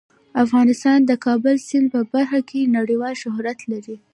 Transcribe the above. افغانستان د د کابل سیند په برخه کې نړیوال شهرت لري.